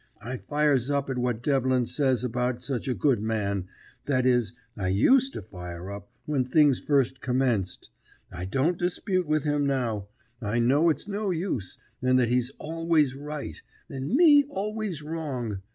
I fires up at what Devlin says about such a good man that is, I used to fire up when things first commenced. I don't dispute with him now; I know it's no use, and that he's always right, and me always wrong.